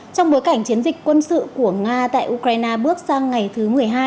trong bối cảnh chiến dịch quân sự của nga tại ukraine bước sang ngày thứ một mươi hai